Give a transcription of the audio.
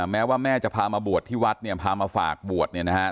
แม้ว่าแม่จะพามาบวชที่วัดเนี่ยพามาฝากบวชเนี่ยนะฮะ